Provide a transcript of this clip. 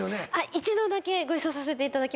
一度だけご一緒させていただきました